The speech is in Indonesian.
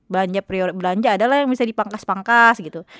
belanja prioritas belanja adalah yang bisa dipangkas pangkas gitu